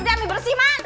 ambil bersih emang